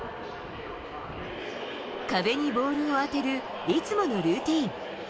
壁にボールを当てるいつものルーティーン。